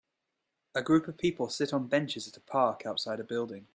A group of people sit on benches at a park outside a building.